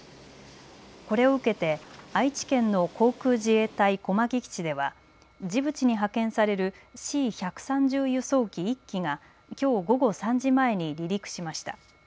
これを受けて愛知県の航空自衛隊小牧基地ではジブチに派遣されるＣ１３０輸送機１機がきょう午後３時前に離陸しました。